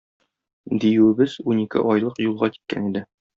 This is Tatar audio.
Диюебез унике айлык юлга киткән иде.